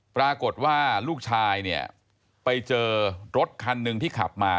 ปรากฏว่าลูกชายเนี่ยไปเจอรถคันหนึ่งที่ขับมา